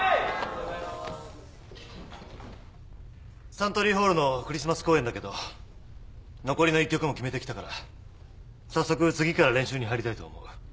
サントリーホールのクリスマス公演だけど残りの１曲も決めてきたから早速次から練習に入りたいと思う。